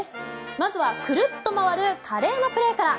まずはクルッと回る華麗なプレーから。